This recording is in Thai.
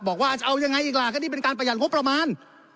บอกว่าจะเอายังไงอีกล่ะก็นี่เป็นการประหยัดงบประมาณ